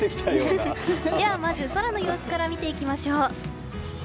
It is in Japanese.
まず、空の様子から見ていきましょう。